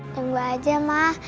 tunggu aja mah